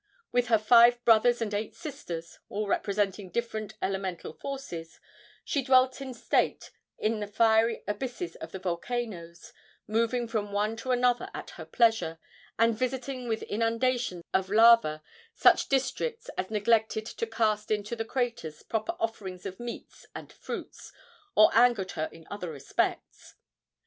With her five brothers and eight sisters all representing different elemental forces she dwelt in state in the fiery abysses of the volcanoes, moving from one to another at her pleasure, and visiting with inundations of lava such districts as neglected to cast into the craters proper offerings of meats and fruits, or angered her in other respects.